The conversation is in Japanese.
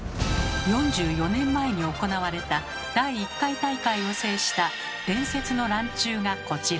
４４年前に行われた第１回大会を制した伝説のランチュウがこちら。